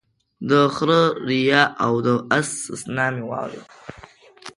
د خره ريا او د اس سسنا مې واورېدله